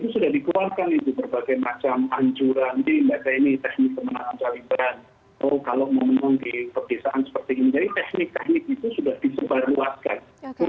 jadi teknik teknik itu sudah bisa dibaruaskan